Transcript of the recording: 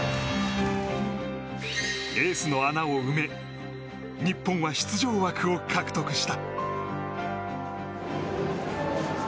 エースの穴を埋め日本は出場枠を獲得した。